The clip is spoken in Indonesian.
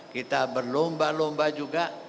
kita berlomba lomba juga